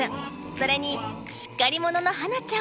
それにしっかり者の羽那ちゃん。